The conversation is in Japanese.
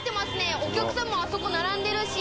お客さんもあそこ並んでるし。